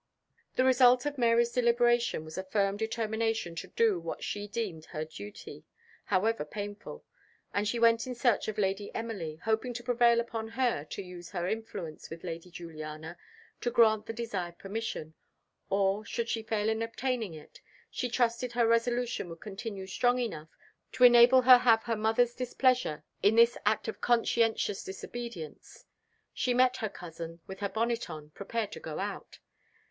The result of Mary's deliberations was a firm determination to do what she deemed her duty, however painful. And she went in search of Lady Emily, hoping to prevail upon her to use her influence with Lady Juliana to grant the desired permission; or, should she fail in obtaining it, she trusted her resolution would continue strong enough to enable her have her mother's displeasure in this act of conscientious disobedience. She met her cousin, with her bonnet on, prepared to go out.